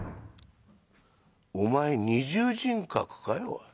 「お前二重人格かい。